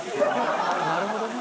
なるほどね。